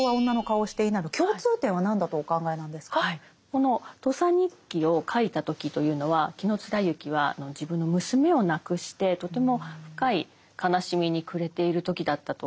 この「土佐日記」を書いた時というのは紀貫之は自分の娘を亡くしてとても深い悲しみに暮れている時だったといわれているんですね。